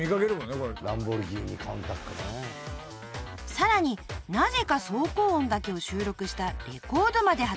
［さらになぜか走行音だけを収録したレコードまで発売する人気ぶり］